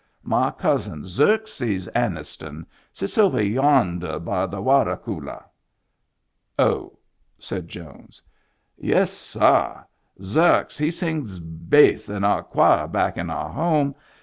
My cousin, Xerxes Anniston, sits over yonder by the watah coolah." " Oh," said Jones. "Yes, sah. Xerx he sings bass in our choir back in our home.